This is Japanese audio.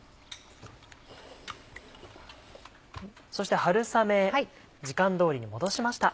そして春雨時間通りに戻しました。